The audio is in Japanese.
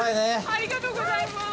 ありがとうございます。